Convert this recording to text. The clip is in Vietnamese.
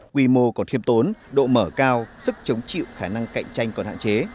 quy mô còn thiêm tốn độ mở cao sức chống chịu khả năng cạnh tranh còn hạn chế